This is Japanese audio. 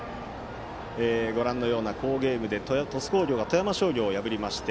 好ゲームで鳥栖工業が富山商業を破りまして